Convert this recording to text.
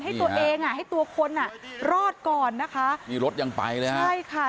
ให้ตัวเองให้ตัวคนรอดก่อนนะคะมีรถยังไปเลยฮะ